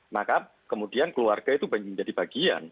maka kemudian keluarga itu menjadi bagian